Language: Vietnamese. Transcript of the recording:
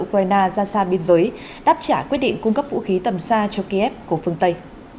ukraine ra xa biên giới đáp trả quyết định cung cấp vũ khí tầm xa cho kiev của phương tây